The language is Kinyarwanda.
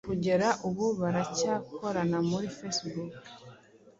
Kugera ubu baracyakorana muri Facebook.